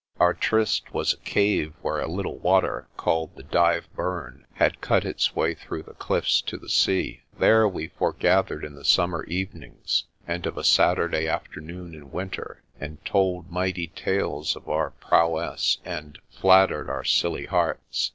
Our tryst was a cave where a little water called the Dyve Burn had cut its way through the cliffs to the sea. There we forgathered in the summer evenings and of a Saturday afternoon in winter, and told mighty tales of our prowess and flattered our silly hearts.